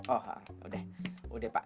oh udah pak